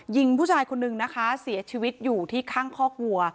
ผู้ชายคนนึงนะคะเสียชีวิตอยู่ที่ข้างคอกวัว